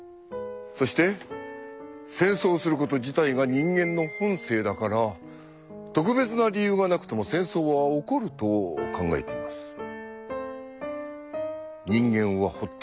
そして戦争する事自体が人間の本性だから特別な理由がなくとも戦争は起こると考えています。